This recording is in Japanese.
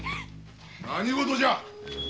何事じゃ？